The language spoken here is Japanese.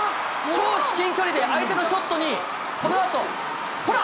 超至近距離で相手のショットにこのあと、ほら！